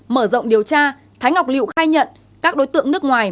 mở rộng điều tra thái ngọc liệu khai nhận các đối tượng nước ngoài